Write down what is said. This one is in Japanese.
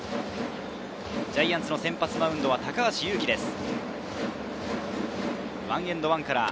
ジャイアンツの先発マウンドは高橋優貴です。